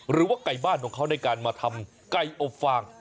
หรือว่าไก่บ้านของเขาในการมาทำไก่อบฟาง